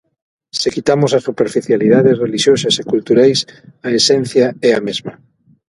Se quitamos as superficialidades relixiosas e culturais, a esencia é a mesma.